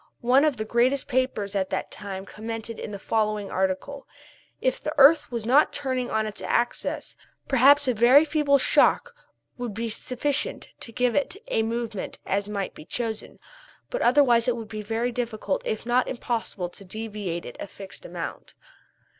One of the greatest papers at that time commented in the following article: "If the earth was not turning on its axis, perhaps a very feeble shock would be sufficient to give it such a movement as might be chosen, but otherwise it would be very difficult if not impossible to deviate it a fixed amount."